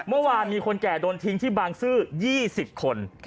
เมื่อวานมีคนแก่โดนทิ้งที่บางซื่อ๒๐คน